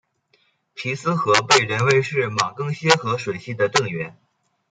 皮斯河被认为是马更些河水系的正源。